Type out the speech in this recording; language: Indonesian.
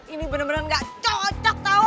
ini bener bener gak cocok tau